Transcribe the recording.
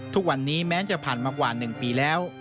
ทุกวันนี้แม้จะผ่านมากว่า๑ปีแล้ว